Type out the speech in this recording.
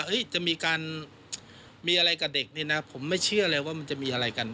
จะมีการมีอะไรกับเด็กนี่นะผมไม่เชื่อเลยว่ามันจะมีอะไรกัน